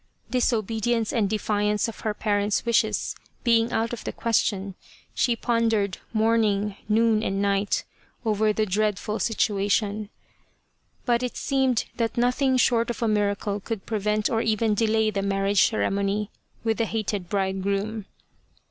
Disobedience and defiance of her parent's wishes being out of the question, she pondered morning, noon, and night over the dreadful situation : but it seemed that nothing short of a miracle could prevent or even delay the marriage ceremony with the hated bride groom.